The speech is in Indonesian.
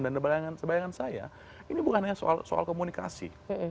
dan sebayangan saya ini bukan hanya soal komunikasi